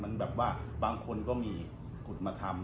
มันแบบว่าบางคนก็มีขุดมาทำ